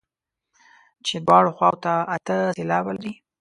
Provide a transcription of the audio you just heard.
چې دواړو خواوو ته اته سېلابه لري.